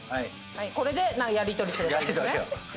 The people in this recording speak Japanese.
これでやりとりすればいいんですね。